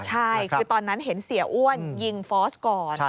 ใช่คือตอนนั้นเห็นเสียอ้วนยิงฟอสก่อน